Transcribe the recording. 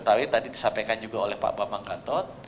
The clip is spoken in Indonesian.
saya tadi disampaikan juga oleh pak bapak mangkantot